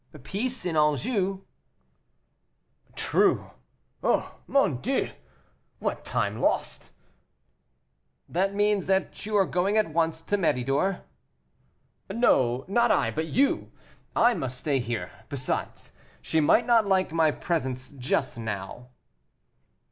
"Peace in Anjou." "True; oh, mon Dieu! what time lost." "That means that you are going at once to Méridor." "No, not I, but you; I must stay here; besides, she might not like my presence just now."